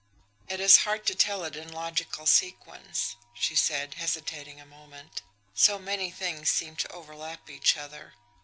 "It is hard to tell it in logical sequence," she said, hesitating a moment. "So many things seem to overlap each other.